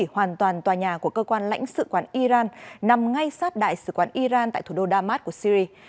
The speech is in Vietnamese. hoàn toàn tòa nhà của cơ quan lãnh sự quán iran nằm ngay sát đại sứ quán iran tại thủ đô damas của syri